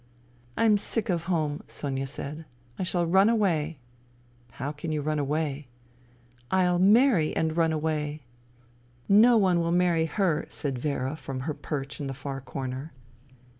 " I'm sick of home," Sonia said. " I shall run away." " How can you run away ?" "I'll marry and run away." " No one will marry her," said Vera from her perch in the far corner.